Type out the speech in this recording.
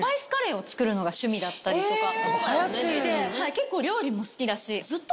結構料理も好きだし。